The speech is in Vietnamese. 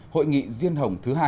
hội nghị riêng hồng thứ hai